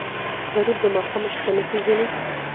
غریب د ماښام شپه نه پېژني